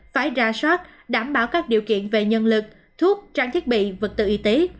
phải ra soát đảm bảo các điều kiện về nhân lực thuốc trang thiết bị vật tư y tế